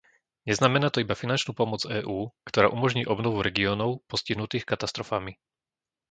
Neznamená to iba finančnú pomoc EÚ, ktorá umožní obnovu regiónov postihnutých katastrofami.